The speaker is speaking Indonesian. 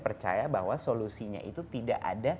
percaya bahwa solusinya itu tidak akan berhasil